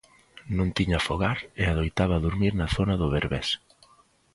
Non tiña fogar e adoitaba durmir na zona do Berbés.